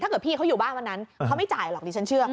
ถ้าเกิดพี่เขาอยู่บ้านวันนั้นเขาไม่จ่ายหรอกดิฉันเชื่อ